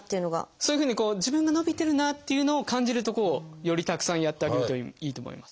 そういうふうに自分が伸びてるなっていうのを感じるとこをよりたくさんやってあげるといいと思います。